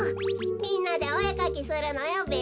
みんなでおえかきするのよべ。